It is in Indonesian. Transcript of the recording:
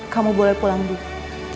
kamu boleh pulang dulu